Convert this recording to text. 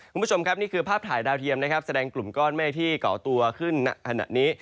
คุณผู้ชมครับนี้คือภาพถ่ายดาวเทียมแสดงกลุ่มก้อนเมฆที่กอกตัวขึ้นถนัดนี้